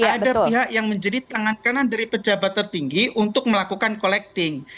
tidak ada pihak yang menjadi tangan kanan dari pejabat tertinggi untuk melakukan collecting